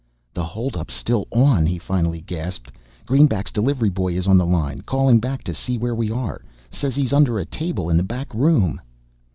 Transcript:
"The holdup's still on," he finally gasped. "Greenback's delivery boy is on the line calling back to see where we are. Says he's under a table in the back room